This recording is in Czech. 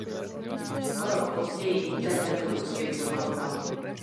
O rok později Inter tento úspěch zopakoval.